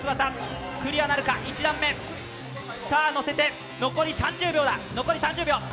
クリアなるか、１段目、乗せて、残り３０秒だ。